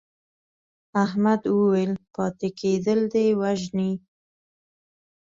احمد وویل پاتې کېدل دې وژني.